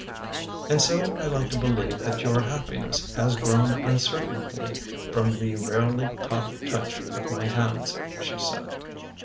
"And so I like to believe that your happiness has grown uncertainly from the rarely caught touch of my hands," she said.